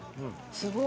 すごい。